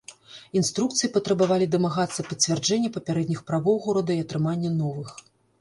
Інструкцыі патрабавалі дамагацца пацвярджэння папярэдніх правоў горада і атрымання новых.